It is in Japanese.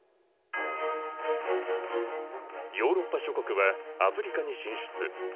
ヨーロッパ諸国はアフリカに進出。